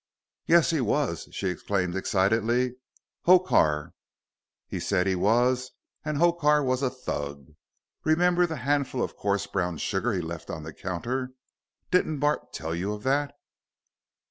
"Yes, he was," she exclaimed excitedly. "Hokar, he said he was, and Hokar was a Thug. Remember the handful of coarse brown sugar he left on the counter? Didn't Bart tell you of that?"